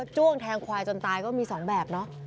้วงแทงควายจนตายก็มี๒แบบเนาะ